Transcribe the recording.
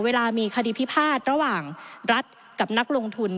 เวลามีคดีพิพาทระหว่างรัฐกับนักลงทุน